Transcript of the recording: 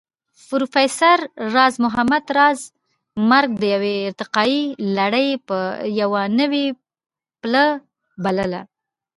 پروفېسر راز محمد راز مرګ د يوې ارتقائي لړۍ يوه نوې پله بلله